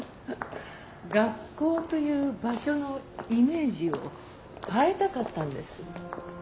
学校という場所のイメージを変えたかったんです。